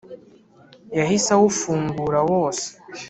yahise awufungura wose.